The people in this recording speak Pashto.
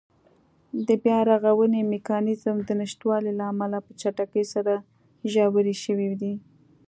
د بیا رغونې میکانېزم د نشتوالي له امله په چټکۍ سره ژورې شوې دي.